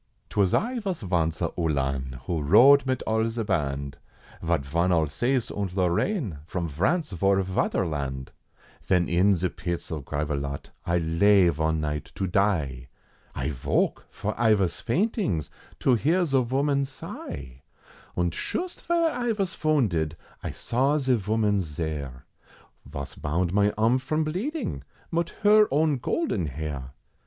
'Twas I vos vonce a Uhlan, who rode mit all ze band, Zat von Alsace, und Lorraine, from Vrance vor Vaterland, Ven in ze pits at Gravelotte, I lay von night to die, I voke! for I vos faintings to hear ze voman sigh! Und shust vere I vas vounded, I saw ze voman's zere, Vos bound mine arm from bleeding, mit her own golden hair!